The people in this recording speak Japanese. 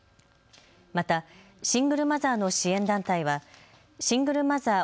またシングルマザーの支援団体はシングルマザー